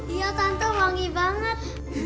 iya tante wangi banget